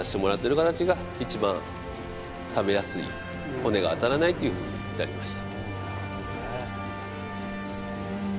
骨が当たらないというふうに至りました